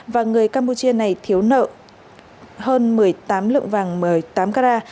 và người campuchia này thiếu nợ hơn một mươi tám lượng vàng một mươi tám cara